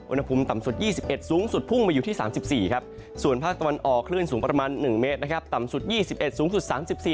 อุณหภูมิต่ำสุด๒๑สูงสุดพุ่งมาอยู่ที่๓๔ครับส่วนภาคตะวันออกคลื่นสูงประมาณ๑เมตรนะครับต่ำสุด๒๑สูงสุด๓๔